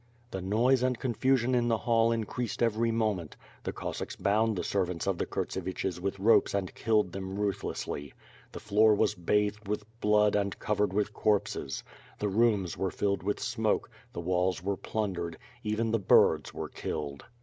The noise and confusion in the hall increased every mo ment. The Cossacks bound the servants of the Kurtseviches with ropes and killed them ruthlesssly. The floor was bathed with blood and covered with corpses. The rooms were filled with smoke; the walls were plundered; even the birds were killed.